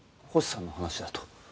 星さんの話だと。